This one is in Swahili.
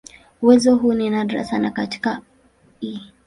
Uwezo huu ni nadra sana katika "E.